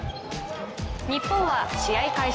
日本は試合開始